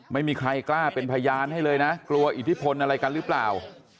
ไม่มีใครกล้าเป็นพยานให้เลยนะกลัวอิทธิพลอะไรกันหรือเปล่า